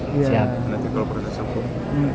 nanti kalau pernah sholkum